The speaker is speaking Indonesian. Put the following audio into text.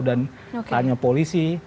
dan tanya polisi